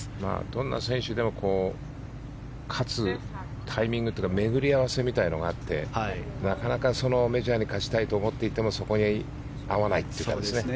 どんな選手でも勝つタイミングというか巡り合わせみたいなのがあってなかなか、そのメジャーに勝ちたいと思っていてもそこに合わないというか。